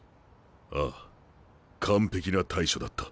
ああ完璧な対処だった。